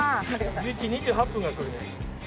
１１時２８分が来る。